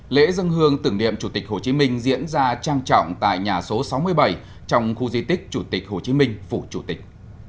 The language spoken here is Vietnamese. lễ dân hương tưởng niệm chủ tịch hồ chí minh diễn ra trang trọng tại nhà số sáu mươi bảy trong khu di tích chủ tịch hồ chí minh phủ chủ tịch